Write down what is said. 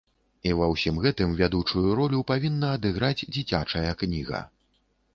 І ва ўсім гэтым вядучую ролю павінна адыграць дзіцячая кніга.